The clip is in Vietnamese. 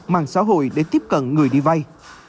mạng xã hội để tiếp cận người đi vay